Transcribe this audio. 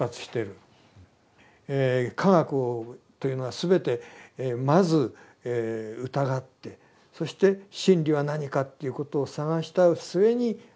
え科学というのは全てまず疑ってそして真理は何かということを探した末に何かができる。